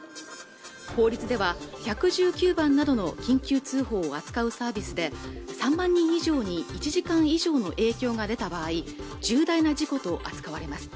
法律では１１９番などの緊急通報を扱うサービスで３万人以上に１時間以上の影響が出た場合重大な事故と扱われます